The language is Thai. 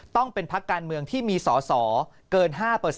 ต้องเป็นพักการเมืองที่มีสอสอเกิน๕